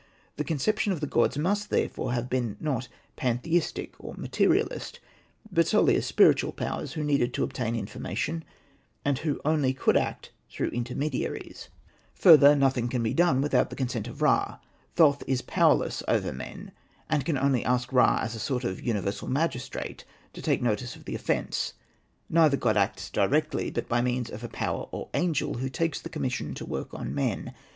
The conception of the gods must therefore have been not pantheistic or mate rialist, but solely as spiritual powers who needed to obtain information, and who only could act through intermediaries. Further, Hosted by Google REMARKS 133 nothing can be done without the consent of Ra ; Thoth is powerless over men, and can only ask Ra, as a sort of universal magis trate, to take notice of the offence. Neither god acts directly, but by means of a power or angel, who takes the commission to work on men.